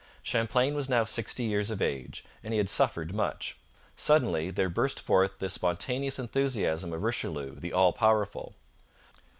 Champlain was now sixty years of age, and he had suffered much. Suddenly there burst forth this spontaneous enthusiasm of Richelieu the all powerful.